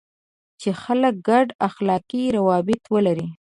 چې خلک ګډ اخلاقي روابط ولري.